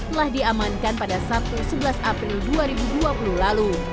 telah diamankan pada sabtu sebelas april dua ribu dua puluh lalu